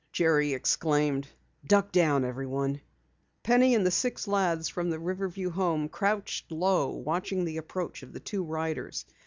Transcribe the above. Jerry exclaimed. "Duck down, everyone!" Penny and the six lads from the Riverview Home crouched low, watching the approach of the two riders.